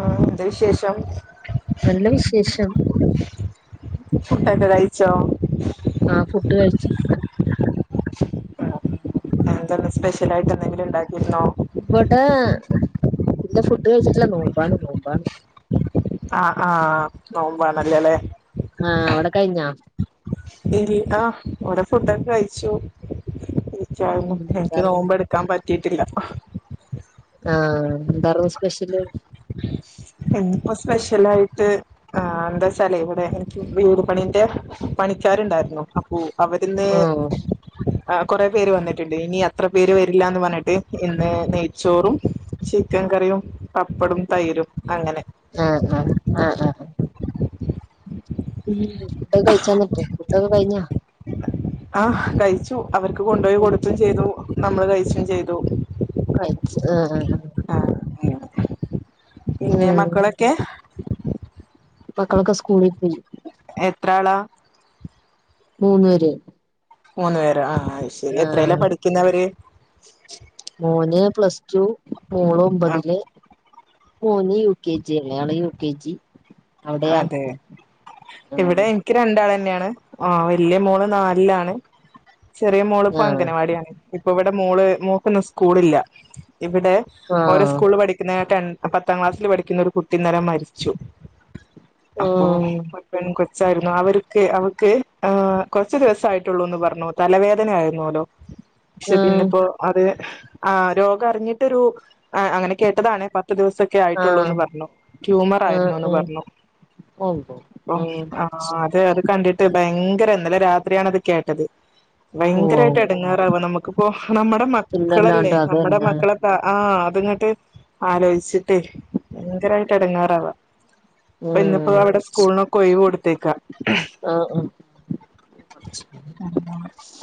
ആ എന്ത് വിശേഷം നല്ല വിശേഷം കുട്ട കച്ച ആഹ ഫുഡ് കഴിച്ചി എന്ത സ്പെഷ്യൽായിട്ട് എന്തെിലും ഉണ്ട ഇവിടെ ഇന്റെ ഫുഡ് കഴിച്ചിട്ടില്ല നോമ്പാണ് നോമ്പാണ് ആഹ് ആഹ് നോമ്പാ നല്ലളെ ആഹ അവിടെ കഴിഞ്ഞാ വിടെ ഫുഡൊക്കെ കഴിച്ചു ച്ച ഉം എനിക്ക് എന്താർന്നു നോമ്പ് എടുക്കാൻ പറ്റ കിത്തിിയിട്ടില്ല കാരണം സ്പെഷ്യല് സ്പെഷ്യല ആായിട്ട് എന്താച്ചാല ഇവിടെ എനിക്ക് വീട് പണിന്റെ പണിക്കാരുണ്ടായിരുന്നു അപ്പൊ അവരിന്ന് ഓ കുറെ പേര് വന്നിട്ട്ണ്ട് ഇനി അത്ര പേര് വരില്ലാന്ന് പറഞ്ഞിട്ട് ഇന്ന് നെയ്ച്ചോറും ചിക്കൻ കറിയും പപ്പടും തൈരും അങ്ങനെ ആഹ് ആഹ് ആഹ് ആഹ് ഉം ഫുഡൊക്കെ കഴിച്ചോന്ന്ട്ട് ഫുഡൊക്കെ കഴിഞ്ഞോ ആ കഴിച്ചു അവർക്ക് കൊണ്ടോയി കൊട്ത്തും ചെയ്തു നമ്മള് കഴിച്ചും ചെയ്തു കഴിച്ച് ആ ആ ആ ആഹ് അങ്ങനെ. പിന്നെ ഉം മക്കളൊക്കേ മക്കളൊക്കെ സ്കൂളി പോയി എത്രളാ മൂന്നേര് മൂന്നു പേരോ ആ ആ ശരി എത്രേലാ പഠിക്കുന്നവര് മോന് പ്ലസ് ടു മോള് ആഹ് ഒമ്പതില് മോന് യു കെ ജില്ലയാണ് യു കെ ജി അവിടെയാ അതെ ആ ഇവിടെ എനിക്ക് രണ്ടാള ന്നേയാണ് വല്യയ മോള് നാലിലാണ് ചെറിയ മോള്പ്പം ആ അംഗനാവാട്യാണ്‌ ഇപ്പൊവ ടെ മോള് മോക്ക്ന്ന് സ്കൂളില്ല ഇവിടെ ആ ഓരേ സ്കൂള് പഠിക്ക്ന്ന ടെൻ പത്താം ക്ലാസ്സില് പഠിക്ക്ന്നോരു കുട്ടിന്നലെ മരിച്ചു അപ്പൊ ഒര് പെൺകൊ ച്ചായിരുന്നു അവർക്ക് അവൾക്ക് കൊറച്ച് ദിവസയിട്ടുള്ളൂന്ന് പറഞ്ഞു തലവേദന ആയിരുന്നോല്ലോ പക്ഷെ ആ പിന്നെപ്പോ അത് ആ രോഗം അറിഞ്ഞിട്ടൊരു അ അങ്ങനെ കേട്ടതാണ് പ ത്ത് ദിവസൊക്കെ ആ ആ ആയിട്ടൊള്ളൂന്ന് പറഞ്ഞു ട്യൂമർ ആഹ് ആയിരുന്നുന്ന് പറഞ്ഞു ആഹ് ഉണ്ടോ അപ്പോ ആഹ് ആ അതെ അത് കണ്ടിട്ട് ഭയങ്കര ഇന്നലെ രാത്രിയാണ്‌ അത് കേട്ടത് ഉവ്വ് ഭയങ്കരായിട്ട് ഉവ്വ് എടങ്ങാറാവ നമുക്ക്പ്പോ നമ്മടെ പിന്നല്ലാണ്ട് മക്കളല്ലേ നമ്മടെ അതന്നെ മക്കളെ പ്ര ആ അത്ങ്ങ്ട്ട് ആലോയിച്ചിട്ടേ ഭയങ്കരായിട്ട് ഇടങ്ങാറാവ ഇപ്പന്നിപ്പോ ഉം അവിടെ സ്കൂളിനൊക്കേ ഒയിവ് കൊടുത്തേക്ക ആഹ് ആഹ്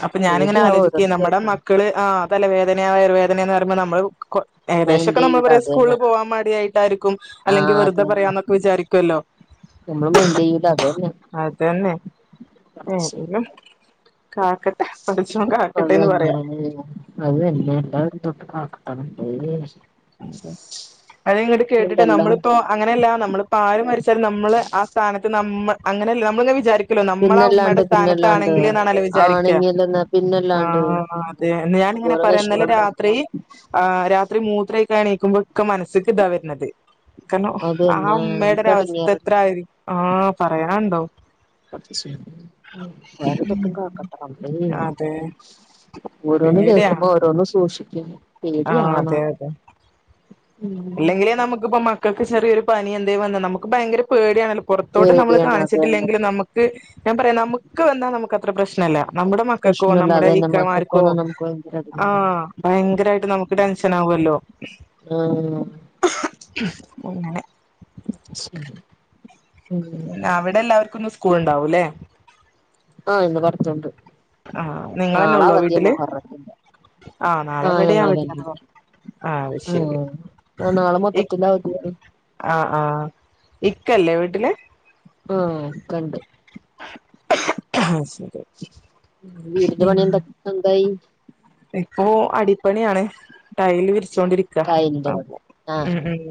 അപ്പൊ ഞാനിങ്ങനെ പേടിയാവും ആലോചിക്ക ഓരോന്ന് നമ്മുടെ കേക്കുമ്പോ മക്കള് ആ തലവേ ദനാ വയർവേദനേന്ന് പറയ്മ്പോ കൊ മൈൻഡ് ഏകതേശോക്കെ ചെയ്യൂല നമ്മളറയും അത് തന്നെ സ്കൂള്ല് പോകാൻ മടിയായി ട്ടായിരിക്കും അല്ലെങ്കി ആഹ് അത് വെറുതെ തന്നെ പറയാന്നൊക്കെ വിചാരിക്കൊല്ലോ നമ്മള് മൈന്റ്യ്യൂല്ലാ അതന്നെ ഏന്തേലും കാക്കട്ടെ പടച്ചോൻ അത് തന്നെ പറയാ അത് തന്നെ [unintelligible] അത്ങ്ങോട്ട് കേട്ടിട്ട് ഉണ്ടല്ലോ നമ്മളിപ്പോ അങ്ങനെയല്ല നമ്മളിപ്പോ ആ ര് മരിച്ചാലും നമ്മള് ആ സ്ഥാനത്ത് നമ്മ അങ്ങനെല്ല നമ്മള്ങ്ങനെ വിചാരി ക്കൊല്ലോ നമ്മളാ പിന്നല്ലാണ്ട് ഉമ്മയുടെ പിന്നല്ലാണ്ട് സ്ഥാനത്താണെങ്കില്ന്നാണല്ലോ വിചാരിക്ക ആണെങ്കിലെന്നാ ആ പിന്നല്ലാണ്ട് അതെ [unintelligible] എന്തോരം ഞാനിങ്ങനെപറയാ വിഷമം ഇന്നലെ ഉണ്ടാവും രാത്രി ആ രാത്രി മൂത്രയ്ക്കാന് എണീക്കുമ്പോക്കെ മനസ്സ്‌ക്ക് ഇതാ വര്ന്നത് കരണം അത് ആ തന്നെ ഉമ്മയുടെ നമുക്ക് ഒരവസ്ഥ എടങ്ങേറല്ലേ എത്ര ആയിരി ആ പറയാണ്ടോ [unintelligible] കാക്കട്ടെ റബ്ബേ അതെ ഒരോ ന്ന് കേക്കുമ്പോ ഓരോന്ന് സൂക്ഷി ആ അതെ അതെ ഉം ഇല്ലെങ്കിലേ നമുക്ക്പ്പോ മക്കക്ക് ചെറിയൊരു പനി എന്തേ വന്ന നമുക്ക് ഭയങ്കര പേടിയാണല്ലോ പോറത്തോട്ട് നമ്മള് പേടിയാണ് അത് തന്നെ കാണിച്ചിട്ടില്ലെങ്കിലും നമുക്ക് ഞാൻ പറയാ നമുക്ക് വന്നാ നമുക്ക് അത്ര പ്രശ്നല്ല നമ്മുടെ മക്കക്കോ പ്രശ്നമില്ലാതെ നമ്മുടെ തന്നെ ഇക്കമാർക്കോ മക്കൾക്കൊന്നും നമുക്ക് ഭയങ്കര ആ അടങ്ങാറല്ലേ ഭയങ്കരായിട്ട് നമുക്ക് ടെൻഷൻ ആവോല്ലോ ആഹ് അങ്ങനെ ഉം പിന്നവിടെ എല്ലാവർക്കുന്ന് സ്കൂൾ ഉണ്ടാവൂല്ലേ എന്ന് പറഞ്ഞിട്ട്ണ്ട് ആ നിങ്ങളെന്നെ ഒള്ളോ വീട്ടില് മുഹറത്തിന്റെ ആഹ് നാളെ ഇവിടേം ഞങ്ങള് തന്നെ അവധിയാന്ന് പറഞ്ഞ് ആ അത് ശരി ആഹ് ആഹ് നാളെ ഇ മൊത്തത്തില് അവധിയാണ് ആ ആ ഇക്കല്ലേ വീട്ടില് ആ ഇക്കണ്ട് ആഹ് ശരി വീടുപണി എന്തായി ഇപ്പോ അടിപ്പണിയാണ് ടൈൽ വി ച്ചോണ്ടിരിക്ക ടൈലിന്റെ പണി ഉം ആഹ് ഉം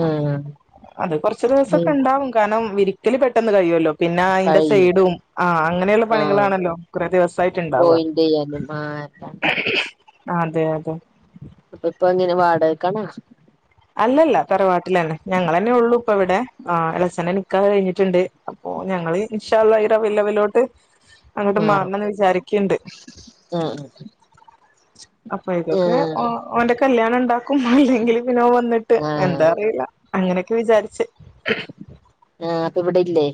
ആഹ് അത് കൊറച്ച് ദിവസൊക്കെ ഉണ്ടാവും കാരണം വിരിക്കല് പെട്ടെന്ന് കഴിയുല്ലോ പിന്നെ അയിന്റെ കഴിയും സൈഡും ആഹ് അങ്ങനെയുള്ള ആഹ് പണികളാണല്ലോ കുറെ ദിവസായിട്ട് ഇണ്ടാവുക വല്ല്യുമ്മാക്കെ ഉണ്ടാവും അതെ അതെ അപ്പൊ ഇപ്പൊ എങ്ങനെ വാടകക്കാണോ അല്ലല്ല തറവാട്ടിലന്നെ ഞങ്ങളന്നെ ഉള്ളു ഇപ്പ ഇവിടെ ആ എളച്ചനെ നിക്കാഹ് കഴിഞ്ഞിട്ടുണ്ട് ഓ ഞങ്ങള് ഇൻഷാഅള്ളാ [unintelligible] വിലോട്ട് അങ്ങോട്ട് മാറണംന്ന് വിചാരിക്ക്ണ്ട് ആഹ് അപ്പൊ ഇതൊക്കെ ഓന്റെ കല്യാണം ഇണ്ടാ ഇല്ലെങ്കിൽ പിനോ ഓൻ വന്നിട്ട് ആ എന്താ അറിയില്ല അങ്ങനൊക്കെ വിചാരിച്ച് ആഹ് അപ്പൊ ഇവിടെ ഇല്ലേ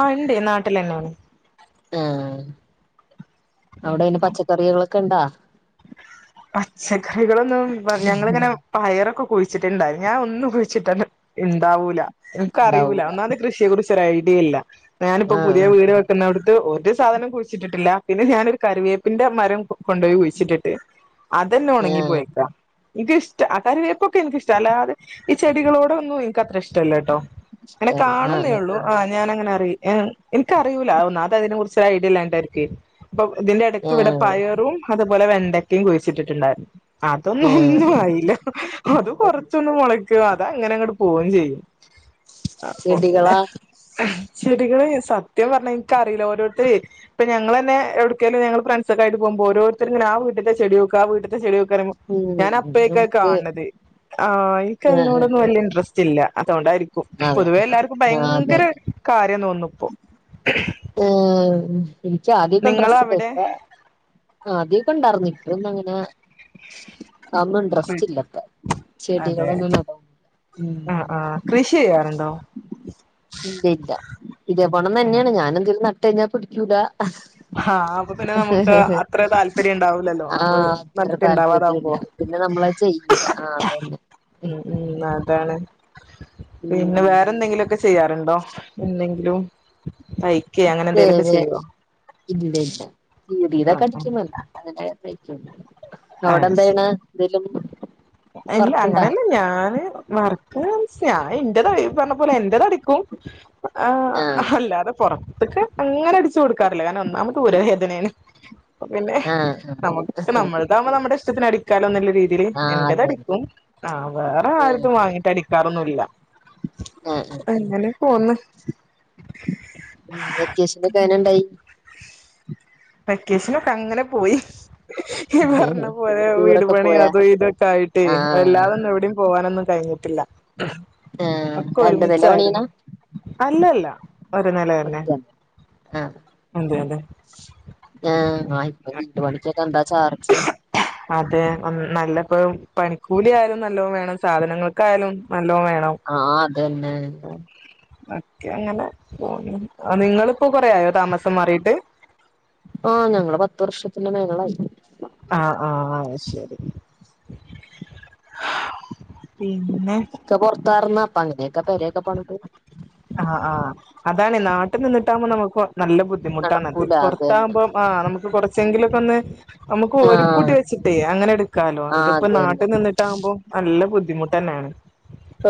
ആഹ് ഉണ്ട് നാട്ടിലന്നെയാണ് ആഹ് അവിടെ ഈ പച്ചക്കറികളൊക്കെ ഇണ്ടാ പച്ചക്കറികളൊന്നും ഞങ്ങളിങ്ങിങ്ങനെ പയറൊക്കെ കുഴിച്ചിട്ടുണ്ടായി ഞാൻ ഒന്നും കുഴിച്ചിട്ട ഇണ്ടാവൂല ഇൻക്ക് അറിയൂല ഉണ്ടാവൂല ഒന്നാമത് കൃഷിയെ കുറിച്ച് ഒര് ഐഡിയ ഇല്ല ഞാനിപ്പൊ ആ പുതിയ ആ വീട് വെക്കുന്നടുത്ത് ഒരു സാധനം കുഴിച്ചിട്ടിട്ടില്ല പിന്നെ ഞാനൊരു കറിവേപ്പിന്റെ മരം കൊണ്ടോയി കുഴിച്ചിട്ടിട്ട് അതന്നെ ആ ഒണങ്ങി പോയേക്ക ഇൻക്കിഷ്ട്ട ആ കറിവേയ്പ്പൊക്കെ ഇൻക്ക് ഇഷ്ട്ട അല്ലാതെ ഈ ചെടികളോടൊന്നും ഇൻക്ക് അത്ര ഇഷ്ടല്ലട്ടോ ഇങ്ങനെ ശരി ആ കാണുന്നേ ഉള്ളൂ ആ ഞാനങ്ങനെ അറി ഏഹ് ഇൻക്കറിയൂല ഒന്നാമത് അതിനെ കുറിച്ച് ഒരു ഐഡിയ ഇല്ലായിട്ട് ആയിരിക്കൊയ് അപ്പൊ ഇതിന്റെ എടക്ക് ആ ആ ഇവിടെ പയറും അതുപോലെ വെണ്ടക്കയും കുഴിച്ചിട്ടിട്ടുണ്ടായിരുന്നു അതൊന്നും ആ ഒന്നും ആയില്ല അത് കൊറച്ചൊന്ന് മൊള ക്കും അതങ്ങനങ്ങട് പോവേം ചെയ്യും ചെടികളാ [unintelligible] ചെടികളെ സത്യം പറഞ്ഞാൽ ഇൻക്കറീല ഓരോത്തര് ഇപ്പൊ ഞങ്ങളന്നെ എവിടക്കേലും ഞങ്ങള് ഫ്രണ്ട്സ് ഒക്കെ ആയിട്ട് പോകു മ്പോരോരുത്തരിങ്ങനെ ആ വീട്ടിത്തെ ചെടി നോക്ക് ആ വീട്ട്ത്തെ ചെടി നോക്ക് പറയുമ്പോ ഞാൻ ഉം അപ്പഴേക്കും അത് നമുക്ക് കാണണത് ആഹ് ആ ഇൻക്കതിനോടൊന്നും ആ വല്യ ഇൻട്രസ്റ്റ് ഇല്ല അതുകൊണ്ടായിരിക്കും അതെ പൊതുവേ എല്ലാർക്കും ആ അതെ ഭയങ്കര കാര്യ തോന്നുന്നു അപ്പോ ഉം ഇച്ച് ആദ്യൊക്കെ ഇന്ട്രെസ്റ്റ് നിങ്ങളവിടെ ഇണ്ടായ്നിം ആദ്യം ഇപ്പണ്ടാർന്നു ഇപ്പൊന്നും അങ്ങനെ അതൊന്നും ഇൻട്രസ്റ്റ് ഇല്ല ഇപ്പൊ അതെ ചെടികളൊന്നും നടാൻ ഉം ആഹ് ആഹ് കൃഷി ചെയ്യാറുണ്ടോ? ഇല്ല ഇല്ല ഇതേപോണം തന്നെയാണ് ഞാൻ എന്തെങ്കിലും നട്ട് കഴിഞ്ഞാ പിടിക്കൂല ഹാഹ് അപ്പൊ പിന്നെ നമുക്ക് അത്ര താല്പര്യം ഉണ്ടാവൂല്ലല്ലോ നമ്മള് ആഹ് അത്ര നട്ടിട്ട് താല്പര്യം ഇണ്ടാവാതാവുമ്പോ ഇല്ല പിന്നെ നമ്മളത് ചെയ്യൂല ആഹ് അതന്നെ ഉം ഉം അതാണ് പിന്നെ ഉം വേറെന്തെങ്കിലും ഒക്കെ ചെയ്യാറുണ്ടോ എന്തെങ്കിലും തയ് ക്കേ അങ്ങനെ എന്തേലൊക്കെ വേറെ ചെയ്യോ ഇല്ല യില്ല കീറീയതൊക്കെ ആഹ് അടിക്കും അല്ലാതെ അങ്ങനെ തയ്ക്കൊന്നുല്ല അവിടെ ആഹ് എന്തായ്യണ് ശരി എന്തേലും- ഇല്ല വർക്ക്ണ്ടാ അങ്ങനല്ല ഞാന് വർക്ക്‌ ചോദിച്ചാ ആ എന്റെത് അടി ഈ പറഞ്ഞ പോലെ എന്റെത് അടിക്കും ആ ആഹ് അല്ലാതെ പുറ ത്ത്ക്ക് അങ്ങനെ അടിച്ചു കൊടുക്കാറില്ല കാരണം ഒന്നാമത് ഊര വേദനേണ് അപ്പൊ പിന്നെ ആഹ് നമുക്ക് ആഹ് നമ്മൾതാവകുമ്പോ നമ്മുടെ ഇഷ്ടത്തിന് അടിക്കാലോന്ന്ള്ള രീതീല് ആഹ് എന്റത് അതന്നെ അടിക്കും ആ വേറെ ആഹ് ആരതും വാങ്ങീട്ട് അടിക്കാറൊന്നുംല്ല ആഹ് ആഹ് എങ്ങനെ പോന്ന് ഉം വെക്കേഷനൊക്കെ എങ്ങനെ ഇ ണ്ടായി വെക്കേഷനൊക്കെ അങ്ങനെ പോയി ഇയ്യ് പറഞ്ഞ പോലെ ടൂറൊക്കെ വീട്പണി പോയാ അതും ഇതൊക്കെ ആയിട്ട് ആഹ് വല്ലാതൊന്നും എവിടെയും പോവാനൊന്നും കഴിഞ്ഞിട്ടില്ല ആഹ് ഒക്കെ രണ്ട് നില പണിയണ ഒരുമിച്ചായിരുന്നു അല്ലല്ല ഒരു നില തന്നെ ഒറ്റ ആഹ് അതെ അതെ ആഹ് ഇപ്പൊ വീട്ടു പണിക്കൊക്കെ എന്താ ചാർജ് അതെ നല്ലപ്പോ പണിക്കൂലി ആയാലും നല്ലോം വേണം സാധനങ്ങൾക്കായാലും നല്ലോം വേണം ആഹ് അതന്നെ ഒക്കെ അങ്ങനെ പോകുന്നു നിങ്ങളിപ്പൊ കൊറേ ആയോ താമസം മാറീട്ട് ആഹ് ഞങ്ങള് പത്ത് വർഷത്തിന്റെ മേളിലായി ആഹ് ആഹ് ശരി പിന്നെ ഒക്കെ പൊറത്താർന്നു അപ്പൊ അങ്ങനെയൊക്കെ പെരയൊക്കെ പണിതു ആഹ് ആ അതാണ് നാട്ടിൽ നിന്നിട്ടാകുമ്പോ നമ്മക്ക് നല്ല ബുദ്ധിമുട്ടാണത് നടക്കൂല അത് തന്നെ പുറത്താകുമ്പോ ആഹ് നമുക്ക് കുറച്ചെങ്കിലൊക്കെ ഒന്ന് നമുക്ക് ഒരുക്കൂട്ടി ആഹ് വെച്ചിട്ടേ അങ്ങനെ എടുക്കാലോ ആഹ് ഇതിപ്പോ അത് തന്നെ നാട്ടിൽ നിന്നിട്ടാകുമ്പോ നല്ല ബുദ്ധിമുട്ട് തന്നെയാണ്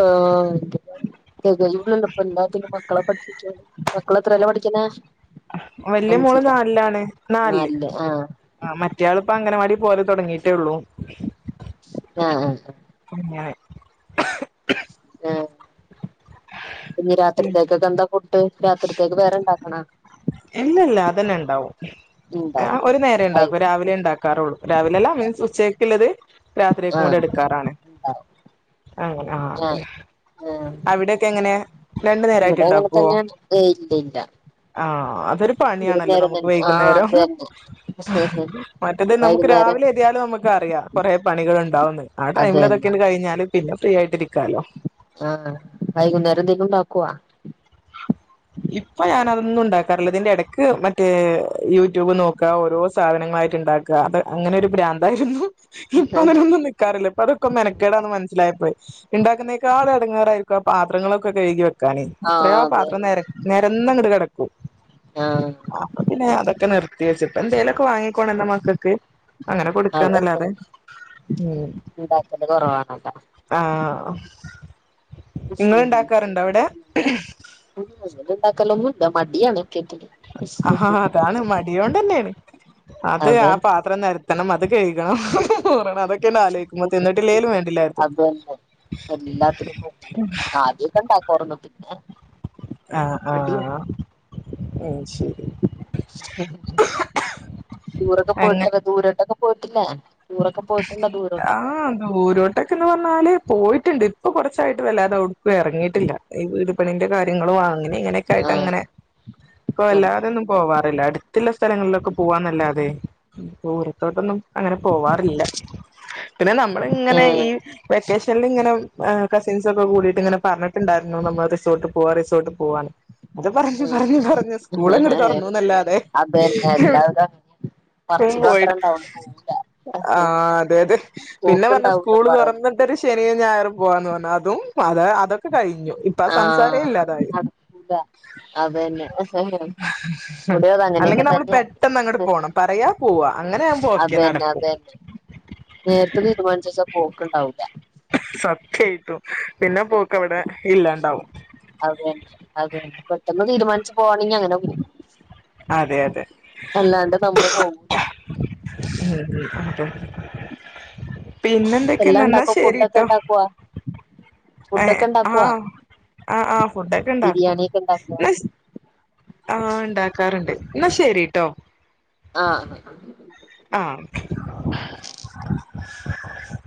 ആഹ് [unintelligible] മക്കളെ പഠിപ്പിച്ചു മക്കള് എത്രേല പഠിക്കുന്ന് വല്യ മോള് നാലിലാണ് നാലില് മറ്റയാളിപ്പോ അങ്ങനവാടി പോകല് തുടങ്ങിട്ടേ ഉള്ളൂ ആഹ് ആഹ് അങ്ങനെ ആഹ് ഇപ്പഞ്ഞി രാത്രിക്കത്തേക്കെന്ത ഫുഡ് രാത്രിക്കത്തേക്ക് വേറെ ഇണ്ടാക്കണോ ഇല്ല ഇല്ല അതന്നെ ഇണ്ടാവും ആഹ് ഇണ്ടാവും ഒരു നേരേ ഉണ്ടാക്കൂ ആയിരിക്കൂല രാവിലെ ഇണ്ടാക്കാറുള്ളൂ രാവിലെ അല്ല മീൻസ് ഉച്ചക്കുള്ളത് രാത്രിക്കും കൂടെ ആഹ് എടുക്കാറാണ് ഇണ്ടാവും അങ്ങനെ ആ അതെ ആഹ് ആഹ് അവിടെയൊക്കെ എങ്ങനെ രണ്ടു നേരായിട്ട് ഇവിടെ അങ്ങനെ ഇണ്ടാക്കുവോ തന്നെയാണ് ഏയ് ഇല്ല ഇല്ല ആഹ അതൊരു പണിയാണല്ലോ വൈകുന്നേരം നമുക്ക് തന്നെ ആ വൈകുന്നേരം അത് തന്നെ മറ്റത് നമുക്ക് വൈകുന്നേരം രാവിലെ എര്യാ നമുക്കറിയാം കൊറേ പണികളൊണ്ടാവന്ന് ആ അത് തന്നെ ടൈമിലതൊക്കെയൊന്ന് കഴിഞ്ഞാല് പിന്നെ ഫ്രീ ആയിട്ടിരിക്കാലോ ആഹ വൈകുന്നേരം എന്തേലും ഉണ്ടാക്കുവാ ഇപ്പ ഞാനതൊന്നും ഉണ്ടാക്കാറില്ല അതിന്റെ എടക്ക് മറ്റേ യൂട്യൂബ് നോക്കാ ഓരോ സാധനങ്ങൾ ആയിട്ടിണ്ടാക്കാ അത് അങ്ങനെ ഒരു പ്രാന്തായിരുന്നു ഇപ്പൊ അതിനൊന്നും നിക്കാറില്ല പ്പ അതൊക്ക മെനക്കേടാന്ന് മനസ്സിലായപ്പോയി ഇണ്ടാക്കുന്നേക്കാൾ എടങ്ങേറായിരിക്കും ആ പാത്രങ്ങളൊക്കെ കഴുകി വെക്കാന് ആ എത്രയോ അതെ പാത്രം നേരെ ന്നങ്ങട് കെടക്കും അപ്പ പിന്നെ അതൊക്കെ നിർത്തി വെച്ചിട്ട് എന്തേലൊക്കെ വാങ്ങി കൊണന്റ മക്കക്ക് അങ്ങനെ ആ കൊടുക്കാന്നല്ലാതെ ഉം ഉണ്ടാക്കല് കുറവാണല്ലോ ആഹ ഇങ്ങളുണ്ടാക്കാറുണ്ടോ അവിടെ? ണ്ടാക്കലൊന്നുല്ല മടിയാണ് ക്കെക്കെക്ക് ആഹാ അതാണ് മടിയോണ്ടന്നെയാണ് അത് ആ അതന്നെ പാത്രം നെര ക്കണം അത് കഴുകണം അതക്കെയാണ് ആലോയിക്കുന്ന തിന്നിട്ടില്ലേലും വേണ്ടില്ലാരുന്നു അതന്നെ എല്ലാത്തിനും മു ആദ്യൊക്കെ ഒണ്ടാക്കാറുന്നു പിന്നെ ആഹ് മടിയാ ആഹ് മ്മ് ടൂറൊക്കെ പോയിട്ടില്ലെ ദൂരോട്ടൊക്കെ പോയിട്ടില്ലേ ടൂറൊക്കെ പോയിട്ടുണ്ടോ ആ ദൂരോട്ടൊക്കെ ദൂരോട്ടെക്കെന്ന് പറഞ്ഞാല് പോയിട്ടിണ്ട് ഇപ്പൊ കൊറച്ചായിട്ട് വല്ലാതെ ഒടു പ്പ എറങ്ങീട്ടില്ല ഈ വീട് പണീന്റെ കാര്യങ്ങളും അങ്ങനെ ഇങ്ങനെയൊക്കെ ആയിട്ട് ആ അങ്ങനെ ഇപ്പൊ നടക്ക അല്ലാതെന്നും പോവാറില്ല അടു ത്തില്ല സ്ഥലങ്ങളിലൊക്കെ പോവാന്നല്ലാതെ ദൂരത്തോട്ടൊന്നും അങ്ങനെ പോവാ ഇല്ല പിന്നെ ആ നമ്മളിങ്ങനെ ഈ വെക്കഷനില് ഇങ്ങനെ ആ കസിൻസും ഉം കൂടീട്ട് ഇങ്ങനെ പറഞ്ഞിട്ടുണ്ടായിരുന്നു നമ്മള് റിസോർട്ടിൽ പോവാ റിസോർട്ടിൽ പോവാന്ന് അത് പറഞ്ഞു പറഞ്ഞു പറഞ്ഞു സ്കൂളങ്ങോട് ആ തുറന്നൂന്നല്ലാതെ അതന്നെ എവിടെ എല്ലാവരും അങ്ങനെയാ പറച്ചില് മാത്രേ പോയില്ല ഉണ്ടാവുള്ളൂ പോവൂല ആഹ് അതെ അതെ പിന്നെ പറഞ്ഞ് പോക്ക്ണ്ടാവൂല സ്കൂള് പറയും തൊറന്നിട്ടൊരു ശനിയും ഞായറും പോവാന്ന് പറഞ്ഞ് അതും അതെ അതൊക്കെ കഴിഞ്ഞു ഇപ്പ സംസാരെ ഇല്ലാതായി ഉതാ ഇവിടേം അത് അല്ലെങ്കി അങ്ങനെയൊക്കെ നമ്മള് തന്നെയാ പെട്ടെന്ന് അങ്ങോട്ട് പോണം പറയാ പോവാ അങ്ങനെ ആവുമ്പോ ഓക്കെ നടൻ അതേ അതേ നേരത്തെ തീരുമാനിച്ച് വച്ചാ പോക്കൊണ്ടാവൂല്ല സത്യായിട്ടും പിന്നെ പോക്കവിടെ ഇല്ലാണ്ടാവും [unintelligible] അതെന്നെ അതെന്നെ പെട്ടെന്ന് തീരുമാൻ ച്ച് പോണിന്യങ്ങനോകിം അതെ അതെ നമ്മള് പോവൂല എല്ലാം പിന്നെന്തൊക്കെയാന്ന് അന്നാ ഇണ്ടാക്കോ ഫുഡൊക്കെ ശരീട്ടോ ഇണ്ടാക്കോ ഏഹ് ഫുഡൊക്കെ ആ ഇണ്ടാക്കോ ആ ആ ഫുഡൊക്കെ ഇണ്ടാക്കും ബിരിയാണിയൊക്കെ ഇണ്ടാക്കോ എന്നാശ് ആ ഇണ്ടാക്കാറുണ്ട് ന്നാ ശരീട്ടോ ആ [inaudible]